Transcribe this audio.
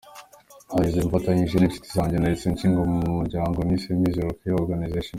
Yagize ati “Mfatanyije n’inshuti zanjye nahise nshinga umuryango nise ‘Mizero Care Organization’.